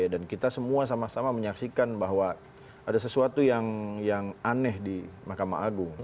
dan kita semua sama sama menyaksikan bahwa ada sesuatu yang aneh di mahkamah agung